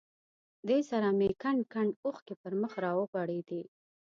دې سره مې کنډ کنډ اوښکې پر مخ را ورغړېدې.